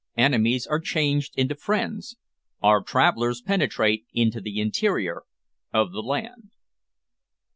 ENEMIES ARE CHANGED INTO FRIENDS OUR TRAVELLERS PENETRATE INTO THE INTERIOR OF THE LAND.